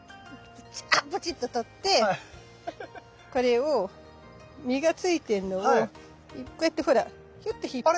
ブチッと取ってこれを実がついてんのをこうやってほらヒュッて引っ張ると。